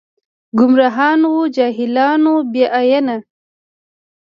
ګمراهان و جاهلان و بې ائينه